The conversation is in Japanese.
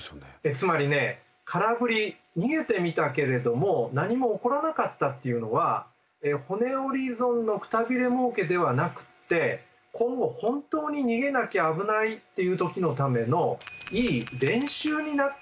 つまりね空振り逃げてみたけれども何も起こらなかったっていうのは「骨折り損のくたびれもうけ」ではなくって今後本当に逃げなきゃ危ないっていう時のためのいい練習になった。